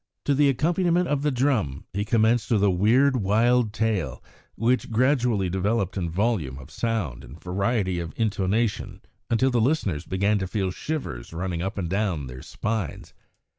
To the accompaniment of the drum, he commenced with a weird, wild wail, which gradually developed in volume of sound and variety of intonation until the listeners began to feel shivers running up and down their spines.